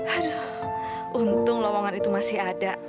aduh untung lowongan itu masih ada